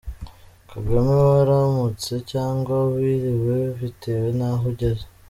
Kagame, waramutse cg wiriwe, bitewe n’aho ugeze?